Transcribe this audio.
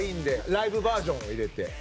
ライブバージョンを入れて。